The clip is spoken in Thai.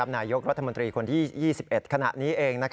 นายกรัฐมนตรีคนที่๒๑ขณะนี้เอง